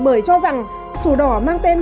bởi cho rằng sổ đỏ mang tên